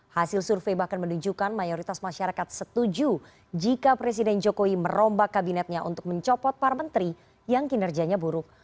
hasil survei bahkan menunjukkan mayoritas masyarakat setuju jika presiden jokowi merombak kabinetnya untuk mencopot para menteri yang kinerjanya buruk